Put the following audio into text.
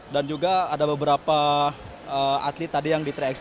dan juga ada beberapa atlet tadi yang di tiga x tiga